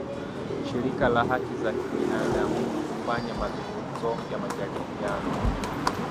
Shirika la Haki za Kibinadamu hufanya mazungumzo ya majadiliano